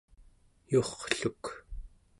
yurrluk